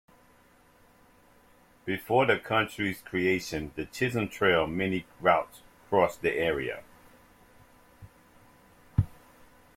Before the county's creation, The Chisholm Trail's many routes crossed the area.